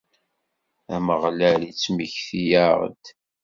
Ameɣlal ittmekti-aɣ-d.